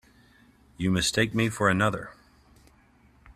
You mistake me for another.